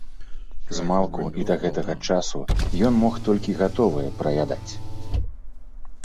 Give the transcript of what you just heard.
Змалку і да гэтага часу ён мог толькі гатовае праядаць.